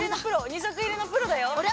２足入れのプロだよ。